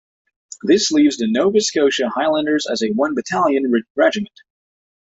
This leaves The Nova Scotia Highlanders as a one-battalion regiment.